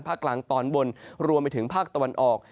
กลางตอนบนรวมไปถึงภาคตะวันออก